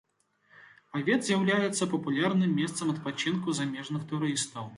Павет з'яўляецца папулярным месцам адпачынку замежных турыстаў.